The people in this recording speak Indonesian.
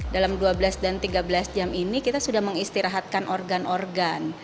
dalam dua belas dan tiga belas jam ini kita sudah mengistirahatkan organ organ